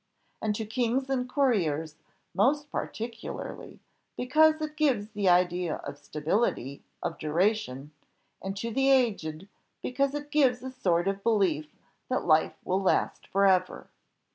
And to kings and courtiers more particularly, because it gives the idea of stability of duration; and to the aged, because it gives a sort of belief that life will last for ever.